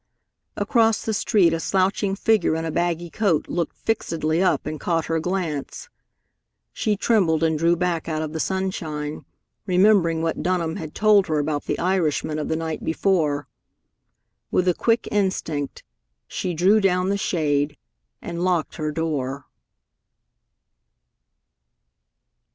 Across the street a slouching figure in a baggy coat looked fixedly up and caught her glance. She trembled and drew back out of the sunshine, remembering what Dunham had told her about the Irishman of the night before. With a quick instinct, she drew down the shade, and locked her door.